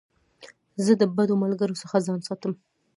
زه د بدو ملګرو څخه ځان ساتم.